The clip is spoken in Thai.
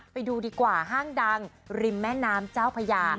ไปดูดีกว่าห้างดังริมแม่น้ำเจ้าพญา